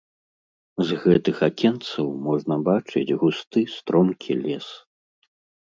З гэтых акенцаў можна бачыць густы стромкі лес.